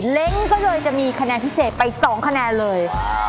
เล้งก็เลยจะมีคะแนนพิเศษไป๒คะแนนเลย